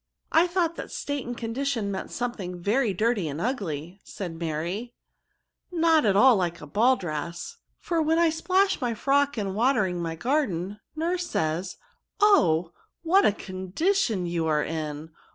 I thought that state and condition meant something very dirty and ugly," said Mary, ^^ not at all like a ball dress ; for when I splash my frock in watering my garden, nurse says, ^ Oh! what a condition you are in